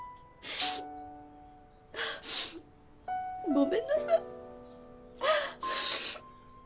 ごめんなさい。